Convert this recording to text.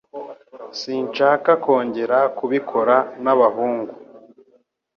Sinshaka kongera kubikora n'ababahungu.